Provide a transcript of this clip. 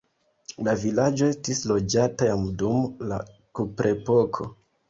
La vilaĝo estis loĝata jam dum la kuprepoko.